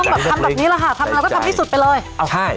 ทำอะไรก็ทำที่สุดไปเลย